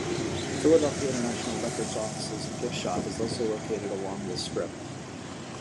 Philadelphia International Records' offices and gift shop is also located along this strip.